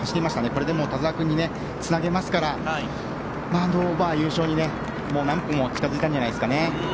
これで田澤君につなげますから優勝に近付いたんじゃないですかね。